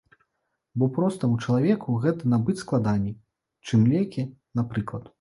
Бо простаму чалавеку гэта набыць складаней, чым лекі, напрыклад.